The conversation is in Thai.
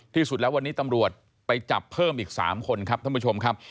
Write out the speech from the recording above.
ที่สุดแล้ววันนี้ตำรวจไปจับเพิ่มอีก๓คนครับท่านผู้ชมครับ